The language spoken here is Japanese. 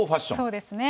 そうですね。